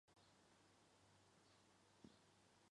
光绪三年在金陵书局校书。